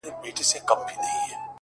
• زموږ په رنګ درته راوړي څوک خوراکونه؟ ,